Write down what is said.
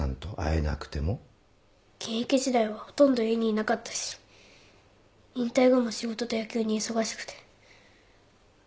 現役時代はほとんど家にいなかったし引退後も仕事と野球に忙しくて。